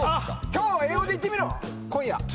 「今日」を英語で言ってみろ「今夜」